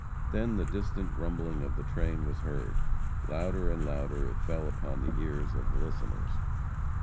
Then the distant rumbling of the train was heard; louder and louder it fell upon the ears of the listeners.